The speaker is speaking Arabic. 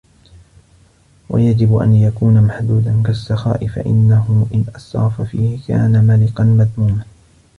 وَيَجِبُ أَنْ يَكُونَ مَحْدُودًا كَالسَّخَاءِ فَإِنَّهُ إنْ أَسْرَفَ فِيهِ كَانَ مَلِقًا مَذْمُومًا